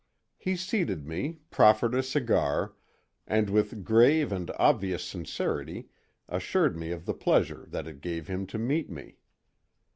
He seated me, proffered a cigar, and with grave and obvious sincerity assured me of the pleasure that it gave him to meet me.